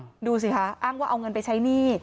ดูสิคะอ้างว่าเอาเงินไปใช้หนี้